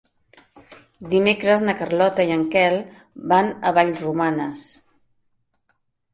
Dimecres na Carlota i en Quel van a Vallromanes.